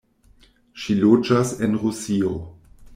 Ŝi loĝas en Rusio.